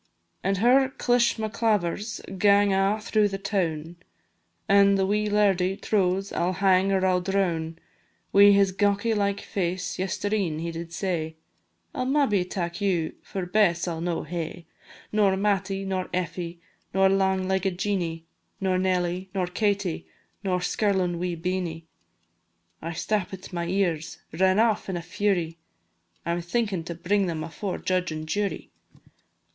An' her clishmaclavers gang a' through the toun, An' the wee lairdie trows I 'll hang or I 'll droun. Wi' his gawky like face, yestreen he did say, "I 'll maybe tak you, for Bess I 'll no hae, Nor Mattie, nor Effie, nor lang legged Jeanie, Nor Nelly, nor Katie, nor skirlin' wee Beenie." I stappit my ears, ran aff in a fury I 'm thinkin' to bring them afore judge an' jury.